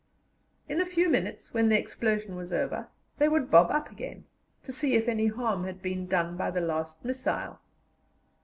In a few minutes, when the explosion was over, they would bob up again, to see if any harm had been done by the last missile.